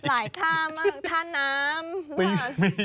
หลายท่ามากท่าน้ำมีท่า